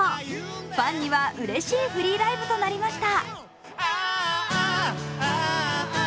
ファンにはうれしいフリーライブとなりました。